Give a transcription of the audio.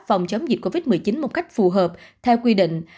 phòng chống dịch covid một mươi chín một cách phù hợp theo quy định